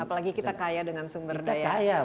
apalagi kita kaya dengan sumber daya